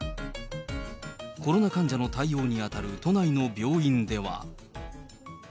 コロナ患者の対応に当たる都内の病院では。